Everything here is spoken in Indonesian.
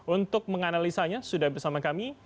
untuk menganalisanya sudah bersama kami